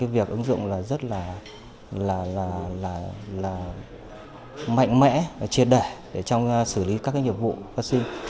việc ứng dụng rất là mạnh mẽ và triệt đẩy trong xử lý các nhiệm vụ vaccine